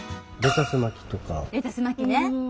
レタス巻ね。